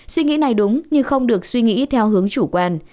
suy nghĩ này đúng nhưng không được suy nghĩ theo hướng chủ quan